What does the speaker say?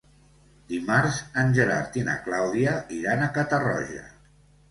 Dimarts en Gerard i na Clàudia iran a Catarroja.